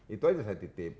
itu aja saya titip